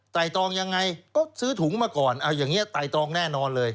ตองยังไงก็ซื้อถุงมาก่อนเอาอย่างนี้ไต่ตรองแน่นอนเลย